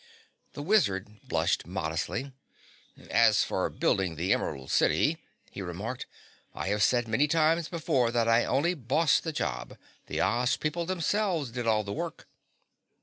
The Wizard blushed modestly. "As for building the Emerald City," he remarked, "I have said many times before that I only bossed the job the Oz people themselves did all the work."